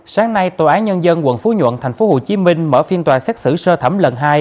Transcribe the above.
sáng nay tòa án nhân dân quận phú nhuận tp hcm mở phiên tòa xét xử sơ thẩm lần hai